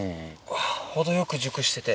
あぁ程よく熟してて。